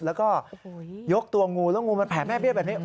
แล้วก็ยกตัวงูแล้วงูมันแผลแม่เบี้ยแบบนี้